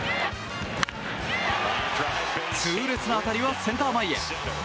痛烈な当たりはセンター前へ。